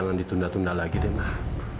jangan ditunda tunda lagi deh mah